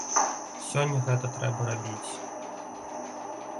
Сёння гэта трэба рабіць!